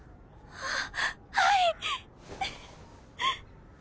あっ。